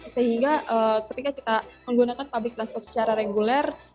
sehingga ketika kita menggunakan public transport secara reguler